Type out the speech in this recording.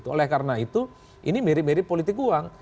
oleh karena itu ini mirip mirip politik uang